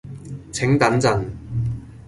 請等陣